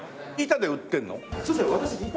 板で売ってるの？